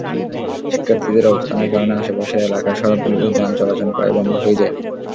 শিক্ষার্থীদের অবস্থানের কারণে আশপাশের এলাকার সড়কগুলোতে যান চলাচল প্রায় বন্ধ হয়ে যায়।